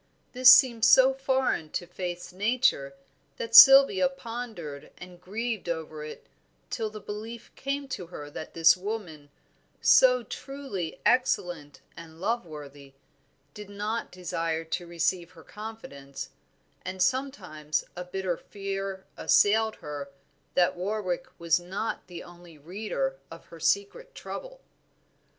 This seemed so foreign to Faith's nature that Sylvia pondered and grieved over it till the belief came to her that this woman, so truly excellent and loveworthy, did not desire to receive her confidence, and sometimes a bitter fear assailed her that Warwick was not the only reader of her secret trouble.